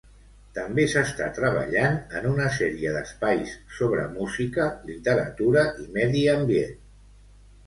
També s'està treballant en una sèrie d'espais sobre música, literatura i medi ambient.